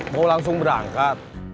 mau langsung berangkat